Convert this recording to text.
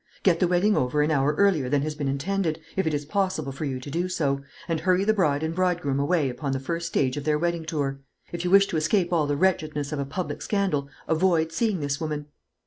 Get the wedding over an hour earlier than has been intended, if it is possible for you to do so, and hurry the bride and bridegroom away upon the first stage of their wedding tour. If you wish to escape all the wretchedness of a public scandal, avoid seeing this woman."